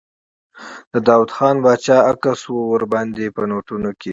د داووخان باچا عکس ور باندې و په نوټونو کې.